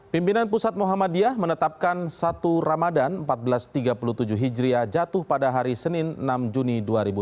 pimpinan pusat muhammadiyah menetapkan satu ramadan seribu empat ratus tiga puluh tujuh hijriah jatuh pada hari senin enam juni dua ribu enam belas